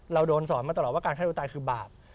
เราโดนสอนมาตลอดว่าการฆ่าตัวตายคือบาป